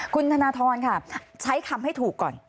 คุณธนทรค่ะใช้คำให้ถูกก่อน